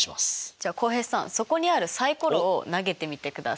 じゃあ浩平さんそこにあるサイコロを投げてみてください。